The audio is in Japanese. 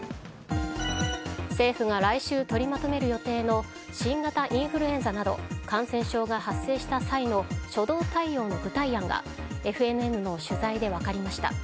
政府が来週取りまとめる予定の新型インフルエンザなど感染症が発生した際の初動対応の具体案がＦＮＮの取材で分かりました。